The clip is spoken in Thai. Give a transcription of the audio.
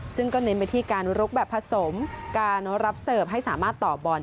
ซึ่งก็เน้นไปที่การลุกแบบผสมการรับเสิร์ฟให้สามารถต่อบอล